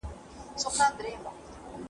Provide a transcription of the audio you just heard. کتابونه باید په ډېر دقت سره وساتل شي.